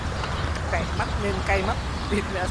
Cảy mắt nên cay mắt